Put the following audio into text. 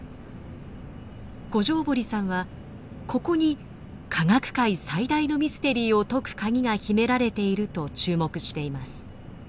五條堀さんはここに科学界最大のミステリーを解く鍵が秘められていると注目しています。